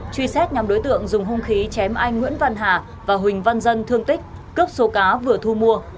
truy xét nhóm đối tượng dùng hung khí chém anh nguyễn văn hà và huỳnh văn dân thương tích cướp số cá vừa thu mua